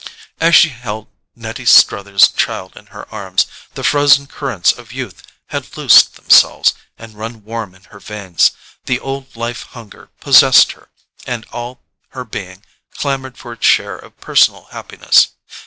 As she held Nettie Struther's child in her arms the frozen currents of youth had loosed themselves and run warm in her veins: the old life hunger possessed her, and all her being clamoured for its share of personal happiness.